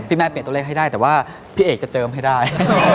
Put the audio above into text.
แม่เปลี่ยนตัวเลขให้ได้แต่ว่าพี่เอกจะเจิมให้ได้